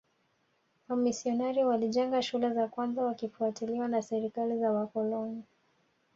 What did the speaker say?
Wamisionari walijenga shule za kwanza wakifuatiliwa na serikali za wakoloni